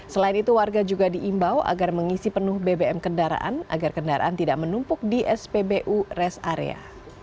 selain itu warga juga diimbau agar mengisi penuh bbm kendaraan agar kendaraan tidak menumpuk di spbu rest area